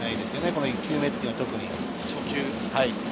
この一球目っていうのは特に。